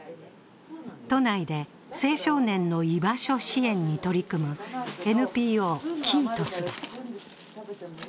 都内で青少年の居場所支援に取り組むＮＰＯキートスだ。